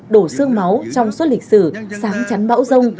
đổ sương máu trong suốt lịch sử sáng chắn bão rông